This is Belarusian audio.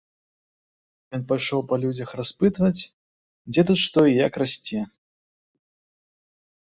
Ён пайшоў па людзях распытваць, дзе тут што і як расце.